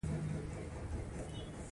هرڅوک د بیان ازادۍ حق لري.